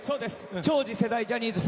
超次世代ジャニーズふ